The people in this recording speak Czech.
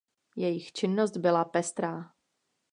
Jejich činnost byla pestrá.